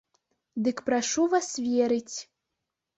Дык прашу вас верыць.